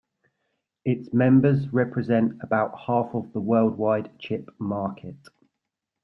Its members represent about half of the worldwide chip market.